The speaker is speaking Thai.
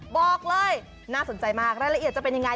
บอกเลยน่าสนใจมากรายละเอียดจะเป็นยังไง